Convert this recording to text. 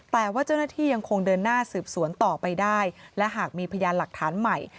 แต่ว่าเจ้าหน้าที่ยังคงเดินหน้าสืบสวนต่อไปได้และหากมีพยานหลักฐานใหม่